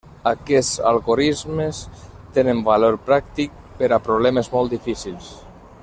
Aquests algorismes tenen valor pràctic per a problemes molt difícils.